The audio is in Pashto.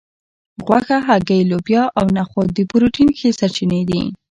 غوښه هګۍ لوبیا او نخود د پروټین ښې سرچینې دي